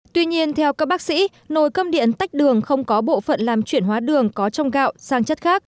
tuy nhiên theo các bác sĩ nồi cơm điện tách đường không có bộ phận làm chuyển hóa đường có trong gạo sang chất khác